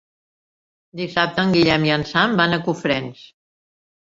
Dissabte en Guillem i en Sam van a Cofrents.